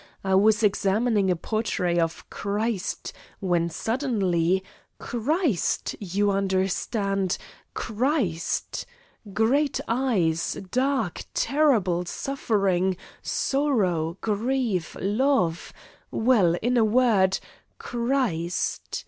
I was examining a portrait of Christ, when suddenly Christ, you understand, Christ great eyes, dark, terrible suffering, sorrow, grief, love well, in a word Christ.